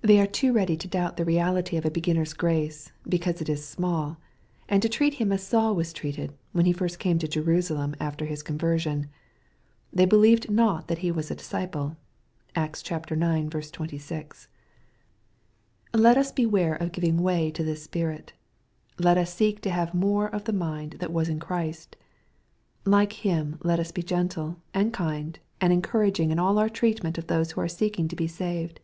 They are too ready to doubt the reality of a beginner's grace, because it is small, and to treat him as Saul was treated when he first came to Jerusalem after his conversion. " They believed not that he was a disciple." (Acts ix. 26.) Let us beware of giving way to this spirit. Let us seek to have more of the mind that was in Christ. Like Him let us be gentle, and kind, and encouraging in all our treatment of those who are seeking to be saved.